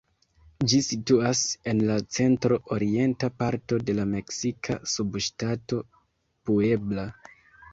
Ĝi situas en la centro-orienta parto de la meksika subŝtato Puebla.